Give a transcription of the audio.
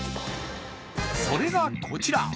それがこちら。